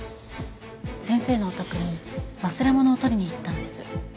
先生のお宅に忘れ物を取りに行ったんです。